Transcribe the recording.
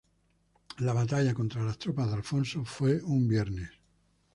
La batalla contra las tropas de Alfonso fue un viernes.